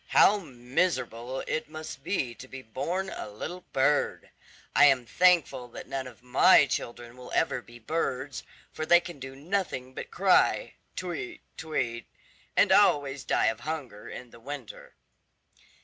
How miserable it must be to be born a little bird! I am thankful that none of my children will ever be birds, for they can do nothing but cry, 'Tweet, tweet,' and always die of hunger in the winter."